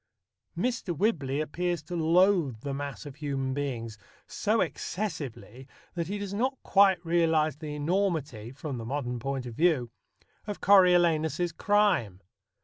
Mr. Whibley appears to loathe the mass of human beings so excessively that he does not quite realize the enormity (from the modern point of view) of Coriolanus's crime.